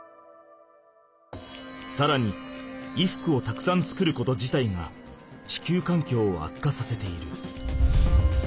さらに衣服をたくさん作ること自体が地球環境を悪化させている。